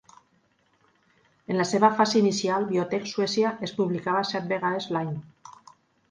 En la seva fase inicial, "Biotech Suècia" es publicava set vegades l'any.